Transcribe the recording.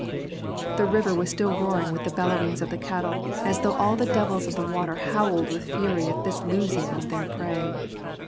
The river was still roaring with the bellowings of the cattle, as though all the devils of the water howled with fury at this losing of their prey.